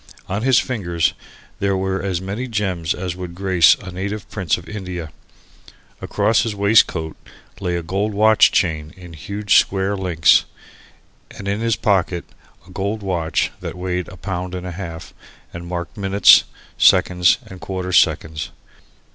On his fingers there were as many gems as would grace a native prince of India; across his waistcoat lay a gold watch chain in huge square links and in his pocket a gold watch that weighed a pound and a half and marked minutes, seconds and quarter seconds.